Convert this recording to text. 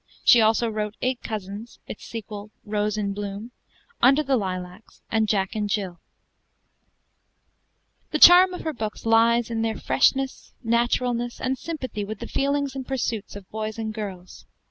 She wrote also 'Eight Cousins,' its sequel 'Rose in Bloom,' 'Under the Lilacs,' and 'Jack and Jill,' The charm of her books lies in their freshness, naturalness, and sympathy with the feelings and pursuits of boys and girls.